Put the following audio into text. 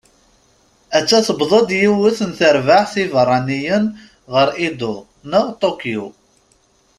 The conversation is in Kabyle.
Atta tewweḍ-d yiwet n terbaεt ibeṛṛaniyen ɣer Edo, neɣ Ṭukyu.